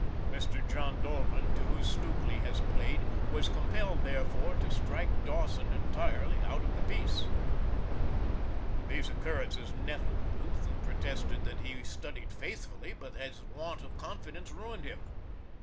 Mr. John Dolman, to whose Stukely has played, was compelled, therefore, to strike Dawson entirely out of the piece. These occurrences nettled Booth, who protested that he studied faithfully but that his want of confidence ruined him. Mr.